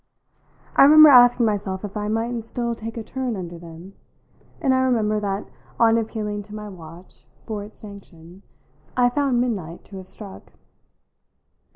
I remember asking myself if I mightn't still take a turn under them, and I remember that on appealing to my watch for its sanction I found midnight to have struck.